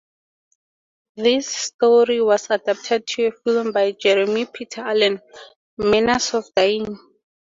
This story was adapted to a film by Jeremy Peter Allen, "Manners of Dying".